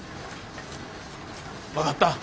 分かった。